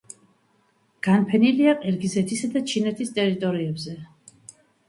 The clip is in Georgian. განფენილია ყირგიზეთისა და ჩინეთის ტერიტორიებზე.